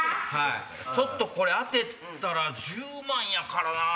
ちょっとこれ当てたら１０万やからな。